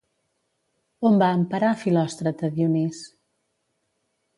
On va emparar Filòstrat a Dionís?